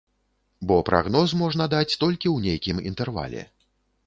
Бо прагноз можна даць толькі ў нейкім інтэрвале.